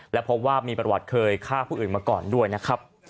และพบว่ามีประวัติเคยฆ่าผู้อื่นมาก่อนด้วยนะครับ